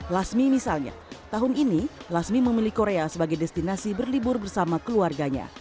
lasmi misalnya tahun ini lasmi memilih korea sebagai destinasi berlibur bersama keluarganya